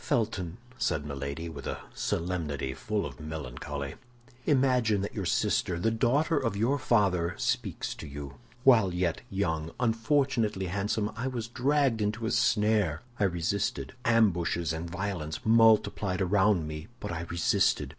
"Felton," said Milady, with a solemnity full of melancholy, "imagine that your sister, the daughter of your father, speaks to you. While yet young, unfortunately handsome, I was dragged into a snare. I resisted. Ambushes and violences multiplied around me, but I resisted.